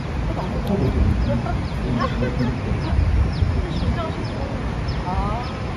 Kleptography encompasses secure and covert communications through cryptosystems and cryptographic protocols.